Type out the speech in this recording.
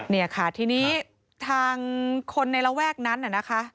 เนี่ยค่ะทีนี้ทางคนในระแวกนั้นน่ะนะคะ